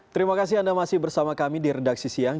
terima kasih anda masih bersama kami di redaksi siang